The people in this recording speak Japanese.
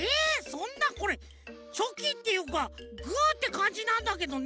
そんなこれチョキっていうかグーってかんじなんだけどね。